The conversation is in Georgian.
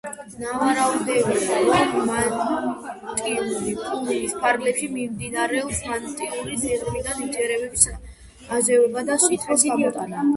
ნავარაუდევია, რომ მანტიური პლუმის ფარგლებში მიმდინარეობს მანტიური სიღრმიდან ნივთიერების აზევება და სითბოს გამოტანა.